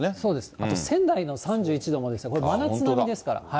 あと仙台が３１度、これ真夏並みですから。